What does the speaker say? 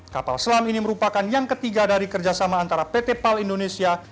kapal selam ini merupakan yang ketiga dari kerjasama antara pt pal indonesia